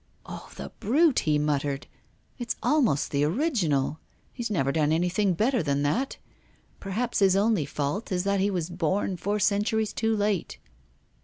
'Oh, the brute,' he muttered, 'it's almost the original; he's never done anything better than that. Perhaps his only fault is that he was born four centuries too late.